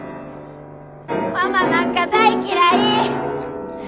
ママなんか大嫌い！